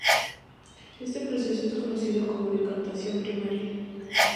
Este proceso es conocido como decantación primaria.